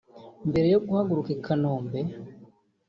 Mbere yo guhaguruka i Kanombe